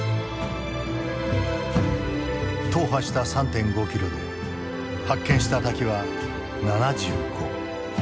踏破した３．５キロで発見した滝は７５。